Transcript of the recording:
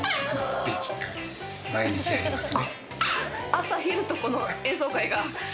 朝昼とこの演奏会が。